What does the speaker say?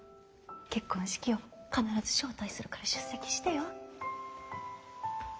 結婚式よ必ず招待するから出席してよ。